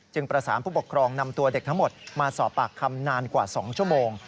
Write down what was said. ประสานผู้ปกครองนำตัวเด็กทั้งหมดมาสอบปากคำนานกว่า๒ชั่วโมง